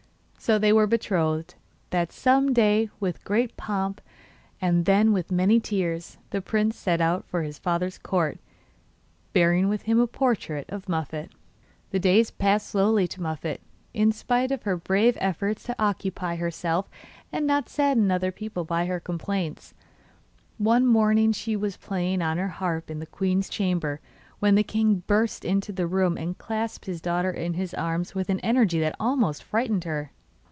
So they were betrothed that some day with great pomp, and then with many tears, the prince set out for his father's court, bearing with him a portrait of Muffette. The days passed slowly to Muffette, in spite of her brave efforts to occupy herself and not to sadden other people by her complaints. One morning she was playing on her harp in the queen's chamber when the king burst into the room and clasped his daughter in his arms with an energy that almost frightened her.